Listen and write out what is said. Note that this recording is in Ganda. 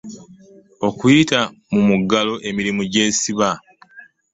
okuyita mu mugalo emirimu gy'esiba